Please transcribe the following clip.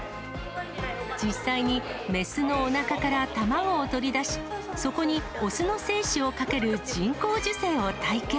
実際に雌のおなかから卵を取り出し、そこに雄の精子をかける人工授精を体験。